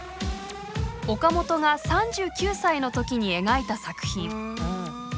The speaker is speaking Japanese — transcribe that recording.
岡本が３９歳の時に描いた作品。